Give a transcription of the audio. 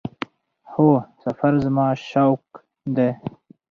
هو، سفر زما شوق دی